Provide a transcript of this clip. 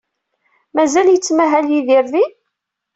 Mazal yettmahal Yidir din?